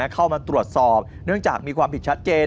เข้ามาตรวจสอบเนื่องจากมีความผิดชัดเจน